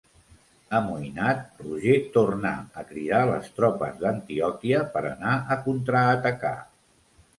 Amoïnat, Roger tornà a cridar les tropes d'Antioquia per anar a contraatacar.